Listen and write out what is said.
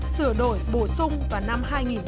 sửa đổi bổ sung vào năm hai nghìn một mươi